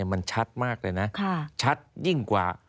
มันชัดมากเลยนะชัดยิ่งกว่า